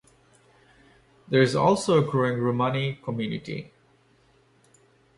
There is also a growing Romani community.